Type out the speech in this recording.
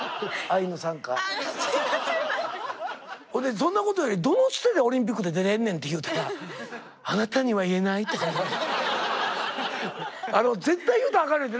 そんなことよりどのつてでオリンピックで出れんねんって言うたら「あなたには言えない」とか言われて。